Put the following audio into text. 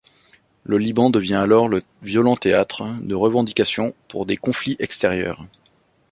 Le Liban devient alors le violent théâtre de revendications pour des conflits extérieurs.